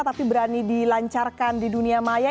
tapi berani dilancarkan di dunia maya